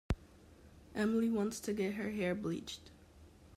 Emily wants to get her hair bleached.